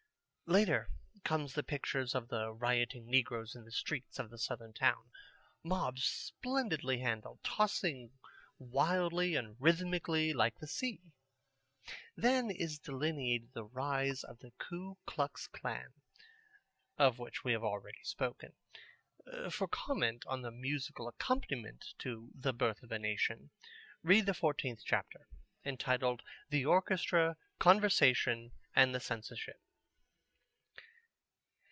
Later come the pictures of the rioting negroes in the streets of the Southern town, mobs splendidly handled, tossing wildly and rhythmically like the sea. Then is delineated the rise of the Ku Klux Klan, of which we have already spoken. For comment on the musical accompaniment to The Birth of a Nation, read the fourteenth chapter entitled "The Orchestra, Conversation and the Censorship."